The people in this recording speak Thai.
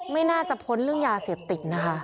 ไม่น่าจะพ้นเรื่องยาเสพติดนะคะ